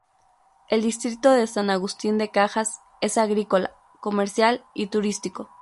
El distrito de San Agustín de Cajas, es agrícola, comercial y turístico.